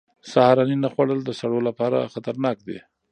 سهارنۍ نه خوړل د سړو لپاره خطرناک دي.